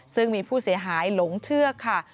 ซึ่งมีผู้เสียหายหลงเชื่อค่ะ